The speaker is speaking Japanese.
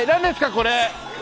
これ。